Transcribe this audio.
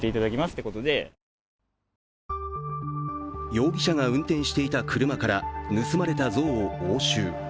容疑者が運転していた車から盗まれた像を押収。